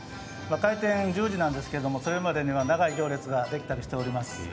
開店が１０時なんですけど、それまでに長い行列ができていたりします。